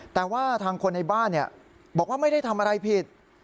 แต่ว่าทางคนในบ้านบอกว่าไม่ได้ทำอะไรผิด